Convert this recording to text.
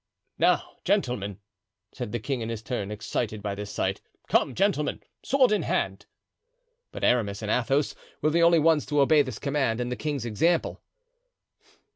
"Now, gentlemen," said the king in his turn, excited by this sight, "come, gentlemen, sword in hand!" But Aramis and Athos were the only ones to obey this command and the king's example.